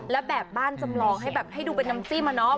แล้วแบบบ้านจำลองให้แบบให้ดูเป็นน้ำจิ้มอะเนาะ